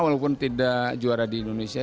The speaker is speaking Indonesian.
walaupun tidak juara di indonesia